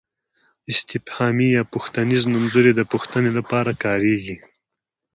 استفهامي یا پوښتنیز نومځري د پوښتنې لپاره کاریږي.